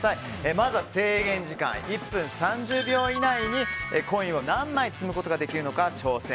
まずは制限時間１分３０秒以内にコインを何枚積むことができるのか挑戦。